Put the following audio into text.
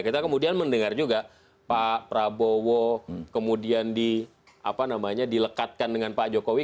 kita kemudian mendengar juga pak prabowo kemudian dilekatkan dengan pak jokowi